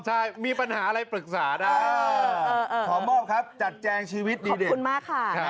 ใช่มีปัญหาอะไรปรึกษาได้ขอมอบครับจัดแจงชีวิตดีขอบคุณมากค่ะ